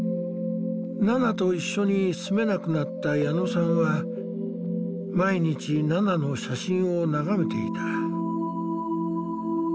ナナと一緒に住めなくなった矢野さんは毎日ナナの写真を眺めていた。